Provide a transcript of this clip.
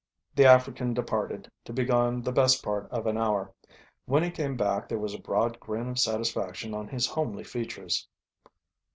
The African departed, to be gone the best Part of an hour. When he came back there was a broad grin of satisfaction on his homely features.